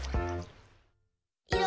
「いろ